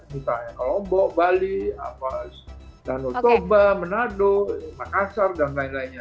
misalnya lombok bali danau toba manado makassar dan lain lainnya